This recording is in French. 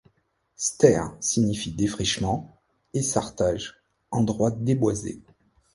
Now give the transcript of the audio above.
Ster signifie défrichement, essartage, endroit déboisé.